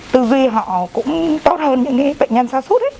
tư duy họ cũng tốt hơn những cái bệnh nhân xa xúc